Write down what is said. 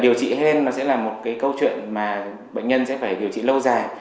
điều trị hen sẽ là một câu chuyện mà bệnh nhân sẽ phải điều trị lâu dài